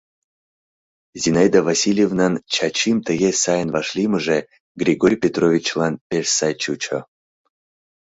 Зинаида Васильевнан Чачим тыге сайын вашлиймыже Григорий Петровичлан пеш сай чучо.